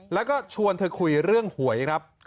แล้วก็ชวนเธอคุยเรื่องหวยครับ